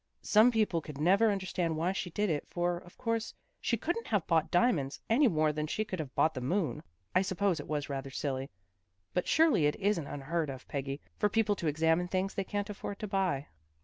Some people could never understand why she did it, for, of course, she couldn't have bought diamonds any more than she could have bought the moon. I suppose it was rather silly, but surely it isn't unheard of, Peggy, for people to examine things they can't afford to buy.